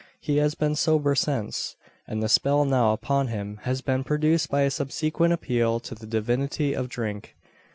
He has been sober since, and the spell now upon him has been produced by a subsequent appeal to the Divinity of drink.